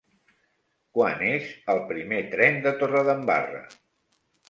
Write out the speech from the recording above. Quan és el primer tren de Torredembarra?